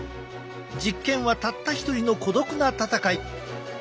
実験はたった一人の孤独な戦い。